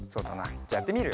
じゃあやってみるよ。